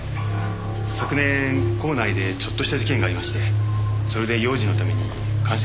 昨年校内でちょっとした事件がありましてそれで用心のために監視カメラを設置したんです。